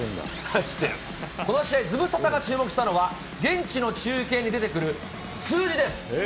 この試合、ズムサタが注目したのは、現地の中継に出てくる数字です。